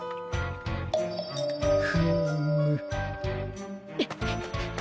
フーム。